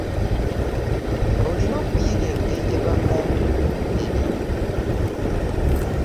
Olina okuyiga engeri gyebagulamu ebintu.